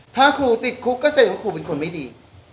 ถ้าครูติดคุกก็เสร็จตัวว่าคุณเป็นคนไม่ดี